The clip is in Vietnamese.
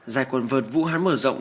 giải quân vượt vũ hán mở rộng